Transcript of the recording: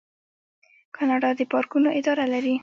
کاناډا د پارکونو اداره لري.